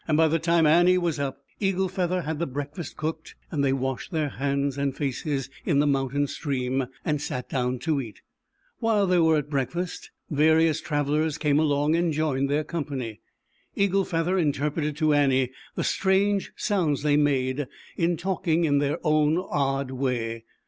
By the time Annie was up, Eagle Feather had the breakfast cooked, and they washed their hands and faces in the mountain stream, and sat down to eat. While they were at break fast, various travelers came along and joined their company. Eagle Feather interpreted to Annie the strange sounds they made in talking in their own odd way.